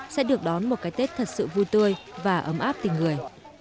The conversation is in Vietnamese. sẽ được đón một cái tết thật sự vui tươi và ấm áp tình người